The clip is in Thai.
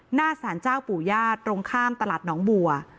หน้าสารเจ้าปู่ญาติตรงข้ามตลาดน้องบัว